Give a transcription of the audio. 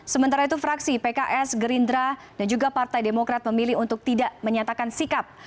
sementara itu fraksi pks gerindra dan juga partai demokrat memilih untuk tidak menyatakan sikap